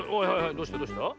どうしたどうした？